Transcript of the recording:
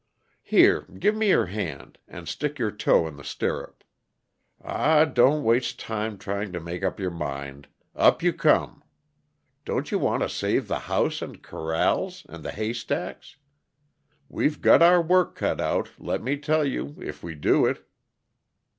"Here, give me your hand, and stick your toe in the stirrup. Ah, don't waste time trying to make up your mind up you come! Don't you want to save the house and corrals and the haystacks? We've got our work cut out, let me tell you, if we do it."